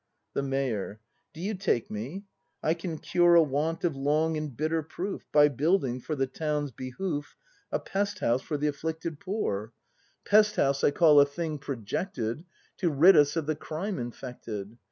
The Mayor. Do you take me ? I can cure A want, of long and bitter proof, By building, for the Town's behoof, A Pest house for the afl3icted Poor. ACT IV] BRAND 173 Pest house I call a thing projected To rid us of the crime infected.